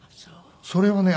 それをね